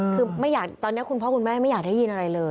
คือตอนนี้คุณพ่อคุณแม่ไม่อยากได้ยินอะไรเลย